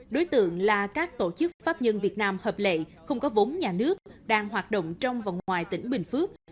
đối tượng là các tổ chức pháp nhân việt nam hợp lệ không có vốn nhà nước đang hoạt động trong và ngoài tỉnh bình phước